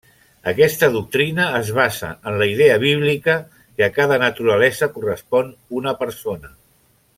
Aquesta doctrina es basa en la idea bíblica que a cada naturalesa correspon una persona.